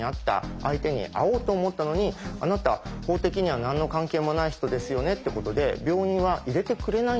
相手に会おうと思ったのに「あなた法的には何の関係もない人ですよね」ってことで病院は入れてくれないんですよ